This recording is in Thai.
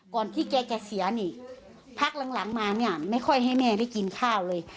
แกจะเสียนี่พักหลังมาเนี่ยไม่ค่อยให้แม่ได้กินข้าวเลย